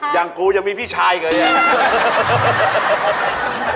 อย่างกูยังมีพี่ชายเกิดอยู่